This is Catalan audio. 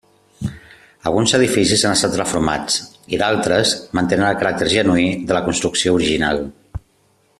Alguns edificis han estat reformats i d'altres mantenen el caràcter genuí de la construcció original.